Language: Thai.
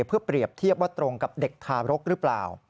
เพื่อเปรียบเทียบว่าตรงกับเด็กทารกหรือเปล่า